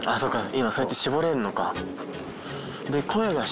今そうやって絞れるのか。